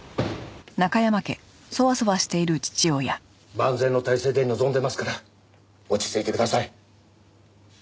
万全の態勢で臨んでますから落ち着いてください。